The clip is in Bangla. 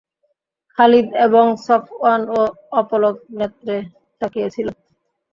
খালিদ এবং সফওয়ানও অপলক নেত্রে তাকিয়েছিল।